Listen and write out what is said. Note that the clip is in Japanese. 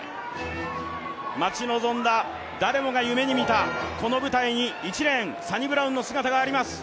待ち望んだ、誰もが夢に見たこの舞台に、１レーンサニブラウンの姿があります。